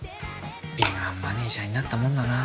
敏腕マネージャーになったもんだな。